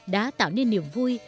đã tạo nên niềm vui